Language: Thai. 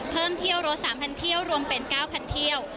เพิ่มเที่ยวรถ๓๐๐เที่ยวรวมเป็น๙๐๐เที่ยว